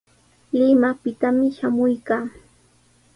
Limaqpitami shamuykaa.